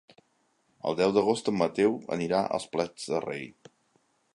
El deu d'agost en Mateu anirà als Prats de Rei.